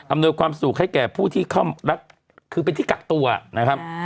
ความสุขให้แก่ผู้ที่เข้ารักคือเป็นที่กักตัวนะครับ